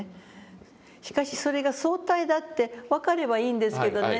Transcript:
しかしそれが相対だって分かればいいんですけどね